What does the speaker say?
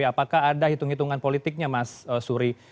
apakah ada hitung hitungan politiknya mas suri